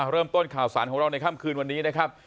เริ่มต้นข่าวสารของเราในค่ำคืนวันนี้นะครับ